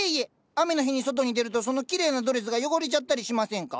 雨の日に外に出るとそのきれいなドレスが汚れちゃったりしませんか？